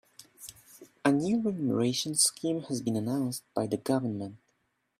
A new renumeration scheme has been announced by the government.